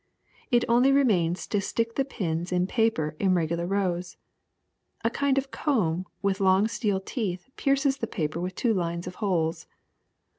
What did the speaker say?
^^It only remains to stick the pins in paper in regu lar rows. A kind of comb with long steel teeth pierces the paper with two lines of holes.